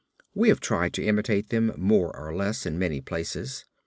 We have tried to imitate them more or less in many places.